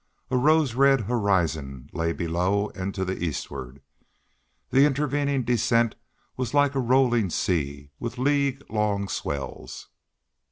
A rose red horizon lay far below and to the eastward; the intervening descent was like a rolling sea with league long swells.